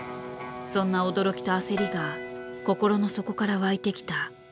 そんな驚きと焦りが心の底から湧いてきた。